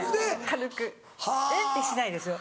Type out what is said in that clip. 軽くエッてしないですよ。